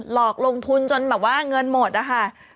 หลอกลงทุนจนแบบว่าเงินหมดนะคะ